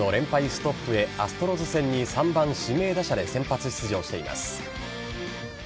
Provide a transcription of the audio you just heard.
ストップへアストロズ戦に３番・指名打者で先発出場しています。